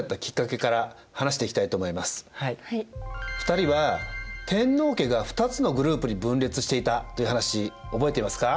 ２人は天皇家が二つのグループに分裂していたという話覚えていますか？